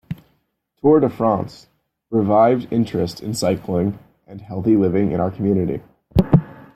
Tour de France revived interest in cycling and healthy living in our community.